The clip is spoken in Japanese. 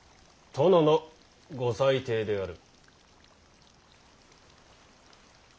殿のご裁定である。